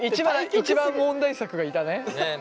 一番問題作がいたね。ね。